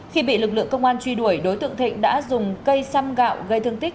khi bị lực lượng công an truy đuổi đối tượng thịnh đã dùng cây xăm gạo gây thương tích